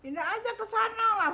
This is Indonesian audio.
pindah aja ke sana lah